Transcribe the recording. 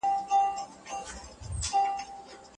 ځینې همکاران د نورو وړتیاوې زغملی نه شي.